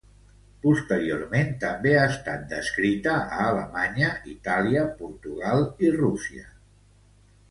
Posteriorment també ha estat descrita a Alemanya, Itàlia, Portugal i Rússia.